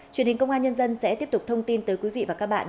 truyền hình công an nhân dân sẽ tiếp tục thông tin tới quý vị và các bạn